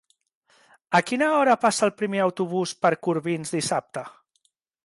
A quina hora passa el primer autobús per Corbins dissabte?